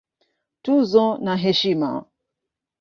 Tuzo na Heshima